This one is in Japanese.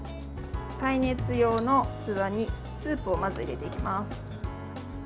耐熱用の器にスープをまず入れていきます。